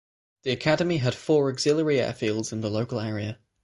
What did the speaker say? The Academy had four auxiliary airfields in the local area.